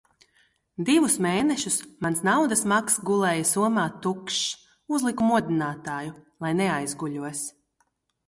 Divus mēnešus mans naudas maks gulēja somā tukšs. Uzliku modinātāju, lai neaizguļos.